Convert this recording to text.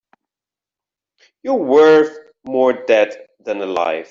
You're worth more dead than alive.